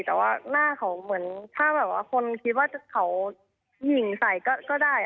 แต่ว่าหน้าเขาเหมือนถ้าแบบว่าคนคิดว่าเขายิงใส่ก็ได้